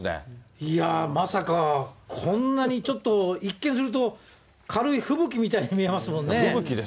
いやー、まさかこんなにちょっと、一見すると軽い吹雪みたいに見えますもんね。